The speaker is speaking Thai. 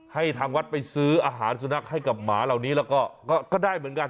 ให้ทางวัดไปซื้ออาหารสุนัขให้กับหมาเหล่านี้แล้วก็ได้เหมือนกัน